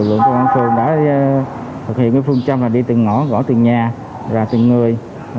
công an phường đã thực hiện phương châm đi từ ngõ gõ từ nhà ra từ người